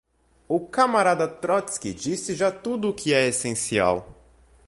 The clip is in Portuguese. O camarada Trótski disse já tudo o que é essencial